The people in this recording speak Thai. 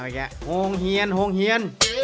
โอ้โหโหงเฮียนโหงเฮียน